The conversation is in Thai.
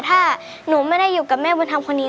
ถ้าหนูไม่ได้อยู่กับแม่บุญธรรมคนนี้